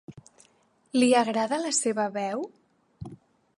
Li agrada la seva veu?